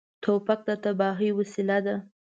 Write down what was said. توپک د تباهۍ وسیله ده.